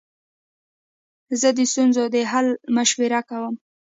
زه د ستونزو د حل لپاره مشوره کوم.